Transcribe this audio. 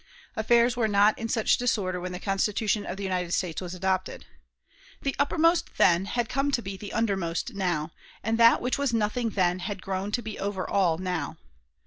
Affairs were not in such disorder when the Constitution of the United States was adopted. The uppermost then had come to be the undermost now, and that which was nothing then had grown to be over all now.